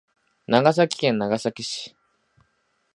長崎県長崎市